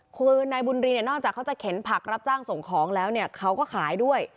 คือนายบุญรีเนี่ยนอกจากเขาจะเข็นผักรับจ้างส่งของแล้วเนี่ยเขาก็ขายด้วย